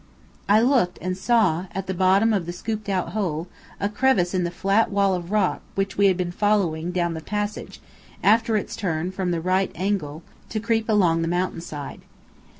I looked and saw, at the bottom of the scooped out hole, a crevice in the flat wall of rock which we had been following down the passage, after its turn from the right angle way to creep along the mountainside.